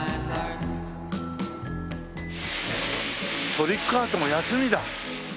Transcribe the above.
トリックアートも休みだ。